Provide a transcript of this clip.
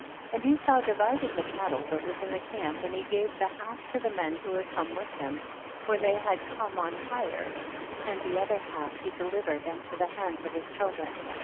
And Esau divided the cattle that was in the camp, and he gave the half to the men who had come with him, for they had come on hire, and the other half he delivered unto the hands of his children.